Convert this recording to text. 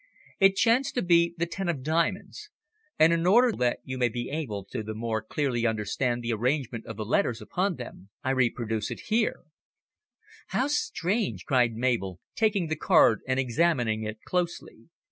It chanced to be the ten of diamonds, and in order that you may be able to the more clearly understand the arrangement of the letters upon them, I reproduce it here: "How strange!" cried Mabel, taking the card and examining it closely.